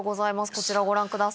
こちらご覧ください。